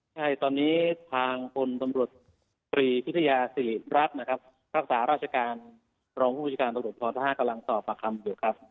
ใช่ตอนนี้ทางคนสำรวจฟรีพิทยาศิริรัตน์นะครับภาคสาราชการรองผู้บริจการตำรวจภาคห้ากำลังสอบปากคำอยู่ครับ